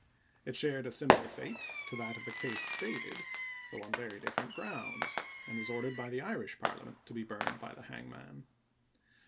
It shared a similar fate to that of the Case Stated, though on very different grounds, and was ordered by the Irish parliament to be burned by the hangman.